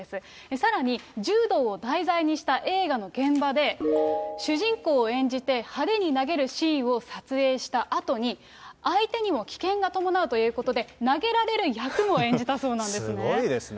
さらに柔道を題材にした映画の現場で、主人公を演じて派手に投げるシーンを撮影したあとに、相手にも危険が伴うということで、投げられる役も演じたそうなんですね。